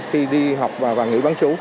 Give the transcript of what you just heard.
khi đi học và nghỉ bán chú